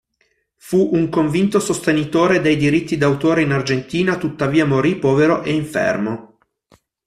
Fu un convinto sostenitore dei diritti d'autore in Argentina, tuttavia morì povero e infermo.